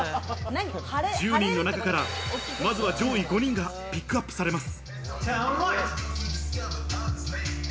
１０人の中からまずは上位５人がピックアップされます。